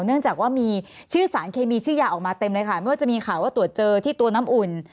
เนื่องจากว่ามีชื่อสารเคมีชื่อยาออกมาเต็มเลยค่ะไม่ว่าจะมีข่าวว่าตรวจเจอที่ตัวน้ำอุ่น